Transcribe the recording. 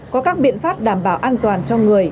có các biện pháp đảm bảo an toàn cho người